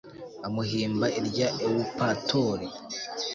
amuhimba irya ewupatori